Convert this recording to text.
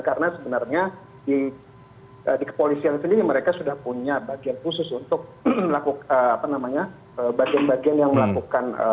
karena sebenarnya di kepolisian sendiri mereka sudah punya bagian khusus untuk melakukan bagian bagian yang melakukan